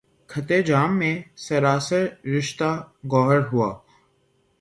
خطِ جامِ مے سراسر، رشتہٴ گوہر ہوا